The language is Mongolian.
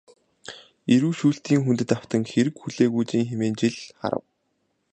Эрүү шүүлтийн хүндэд автан хэрэг хүлээгүүжин хэмээн жил харав.